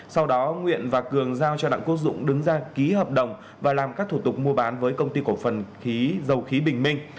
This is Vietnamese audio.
sau đó nguyễn và cường giao cho đặng quốc dũng đứng ra ký hợp đồng và làm các thủ tục mua bán với công ty cổ phần khí dầu khí bình minh